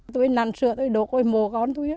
tôi nằn sữa tôi đổ côi mồ con tôi